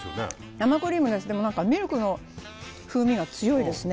生クリームですけど何かミルクの風味が強いですね